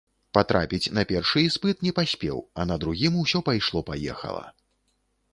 Патрапіць на першы іспыт не паспеў, а на другім усё пайшло-паехала.